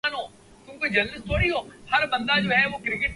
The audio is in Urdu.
اس قوم کے ساتھ جو سیاسی دھوکے ہوئے، ان میں ایک نوجوان قیادت کا دھوکہ بھی ہے۔